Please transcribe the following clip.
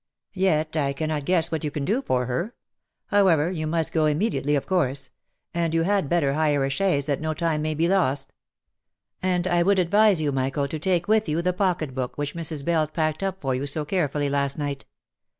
Yet I cannot guess what you can do for her. How ever, you must go immediately of course ; and you had better hire a chaise that no time may be lost. And I would advise you, Michael, to take with you the pocket book which Mrs. Bell packed up for you so carefully last night.